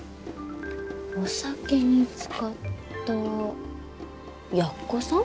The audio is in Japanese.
お酒に漬かった奴さん？